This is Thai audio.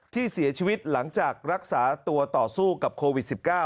ที่เสียชีวิตหลังจากรักษาตัวต่อสู้กับโควิด๑๙